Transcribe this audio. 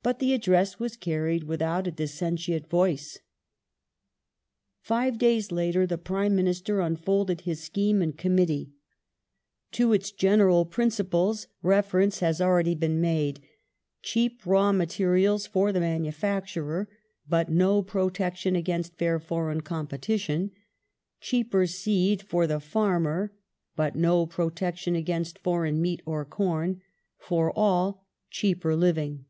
But the Address was carried without a dissentient voice. Five days later the Prime Minister unfolded his scheme in Com The re mittee. To its general principles reference has already been made : R^^^ °^® cheap raw materials for the manufacturer, but no protection against Laws fair foreign competition ; cheaper seed for the farmer, but no pro tection against foreign meat or corn ; for all, cheaper living.